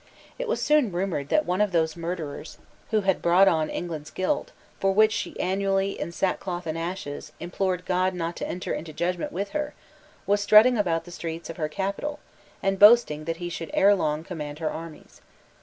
It was soon rumoured that one of those murderers, who had brought on England guilt, for which she annually, in sackcloth and ashes, implored God not to enter into judgment with her, was strutting about the streets of her capital, and boasting that he should ere long command her armies.